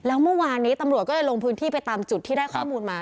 แล้วเมื่อวานนี้ตำรวจก็เลยลงพื้นที่ไปตามจุดที่ได้ข้อมูลมา